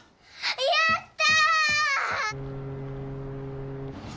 やった！